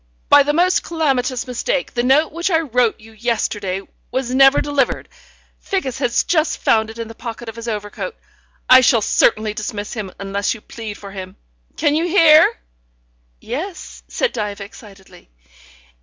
"By the most calamitous mistake the note which I wrote you yesterday was never delivered. Figgis has just found it in the pocket of his overcoat. I shall certainly dismiss him unless you plead for him. Can you hear?" "Yes," said Diva excitedly.